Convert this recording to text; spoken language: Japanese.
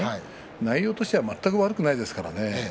内容としては全く悪くないですからね。